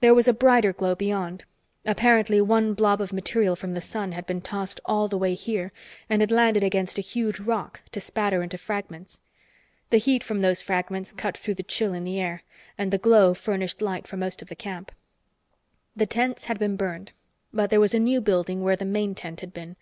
There was a brighter glow beyond. Apparently one blob of material from the sun had been tossed all the way here and had landed against a huge rock to spatter into fragments. The heat from those fragments cut through the chill in the air, and the glow furnished light for most of the camp. The tents had been burned, but there was a new building where the main tent had been.